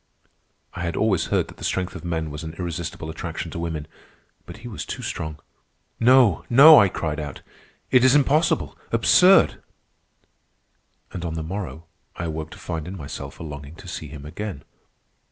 I had always heard that the strength of men was an irresistible attraction to women; but he was too strong. "No! no!" I cried out. "It is impossible, absurd!" And on the morrow I awoke to find in myself a longing to see him again.